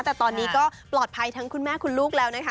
แต่ตอนนี้ก็ปลอดภัยทั้งคุณแม่คุณลูกแล้วนะคะ